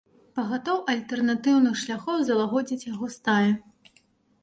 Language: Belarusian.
Пагатоў альтэрнатыўных шляхоў залагодзіць яго стае.